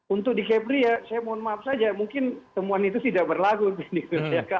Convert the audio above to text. untuk di kepri ya saya mohon maaf saja mungkin temuan itu tidak berlaku begitu ya